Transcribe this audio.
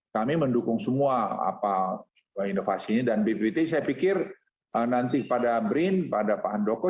kami mendukung semua inovasinya dan bppt saya pikir nanti pada brin pada pak handoko